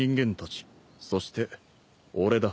そして俺だ。